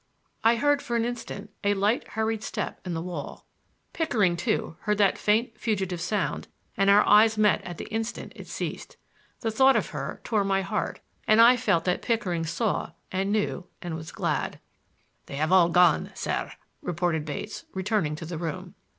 I heard, for an instant, a light hurried step in the wall. Pickering, too, heard that faint, fugitive sound, and our eyes met at the instant it ceased. The thought of her tore my heart, and I felt that Pickering saw and knew and was glad. "They have all gone, sir," reported Bates, returning to the room.